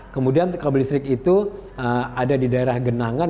kemudian kabel listrik itu ada di daerah genangan